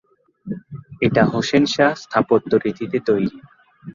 এটি হোসেন-শাহ স্থাপত্য রীতিতে তৈরি।